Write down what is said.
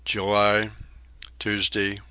July. Tuesday 1.